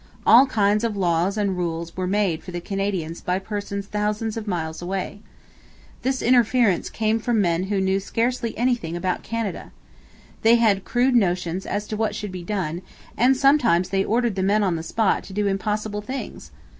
All kinds of laws and rules were made for the Canadians by persons thousands of miles away. This interference came from men who knew scarcely anything about Canada. They had crude notions as to what should be done, and sometimes they ordered the men on the spot to do impossible things.